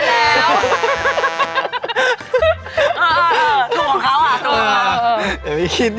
แอมมี่คิดเยอะ